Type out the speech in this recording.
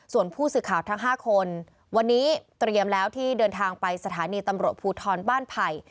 ส่วนผู้สื่อข่าวทั้ง๕คนวันนี้เตรียมแล้วที่เดินทางไปสถานีตำรวจภูทรบ้านไผ่